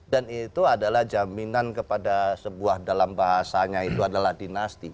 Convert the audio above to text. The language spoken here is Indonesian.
dan itu adalah jaminan kepada sebuah dalam bahasanya itu adalah dinasti